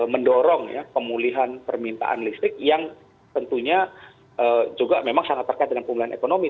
mendorong ya pemulihan permintaan listrik yang tentunya juga memang sangat terkait dengan pemulihan ekonomi